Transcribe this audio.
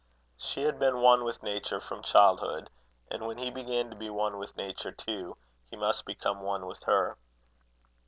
She had been one with Nature from childhood, and when he began to be one with nature too, he must become one with her.